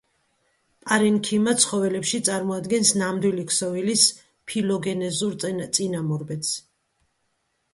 პარენქიმა ცხოველებში წარმოადგენს ნამდვილი ქსოვილის ფილოგენეზურ წინამორბედს.